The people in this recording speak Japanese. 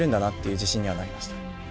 自信にはなりました。